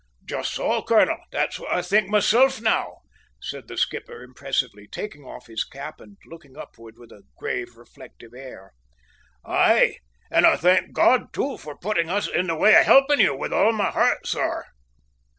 "Just so, colonel; that's what I think myself now," said the skipper impressively, taking off his cap and looking upward with a grave reflective air. "Aye, and I thank God, too, for putting us in the way of helping you, with all my heart, sir!"